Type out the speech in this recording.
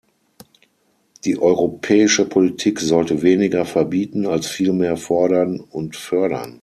Die europäische Politik sollte weniger verbieten, als vielmehr fordern und fördern.